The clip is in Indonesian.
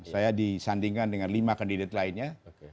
saya disandingkan dengan lima kandidat lainnya